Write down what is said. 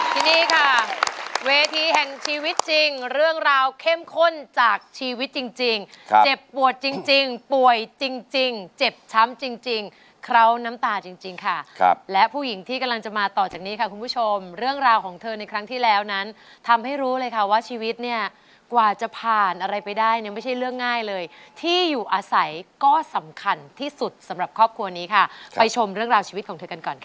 ทีนี้ค่ะเวทีแห่งชีวิตจริงเรื่องราวเข้มข้นจากชีวิตจริงจริงเจ็บปวดจริงจริงป่วยจริงจริงเจ็บช้ำจริงจริงเคราะห์น้ำตาจริงจริงค่ะครับและผู้หญิงที่กำลังจะมาต่อจากนี้ค่ะคุณผู้ชมเรื่องราวของเธอในครั้งที่แล้วนั้นทำให้รู้เลยค่ะว่าชีวิตเนี่ยกว่าจะผ่านอะไรไปได้เนี่ยไม่ใช่เรื่องง่